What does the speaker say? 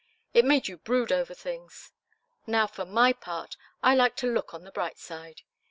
It's made you brood over things. Now, for my part, I like to look at the bright side.